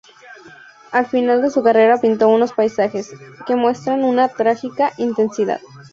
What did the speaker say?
Al final de su carrera pintó unos paisajes, que muestran una trágica intensidad.